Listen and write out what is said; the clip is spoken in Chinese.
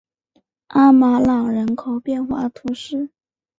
阿马朗人口变化图示